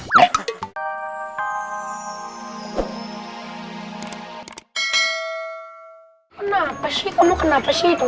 kenapa sih kamu kenapa sih itu